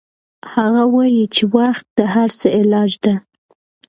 هغه وایي چې وخت د هر څه علاج ده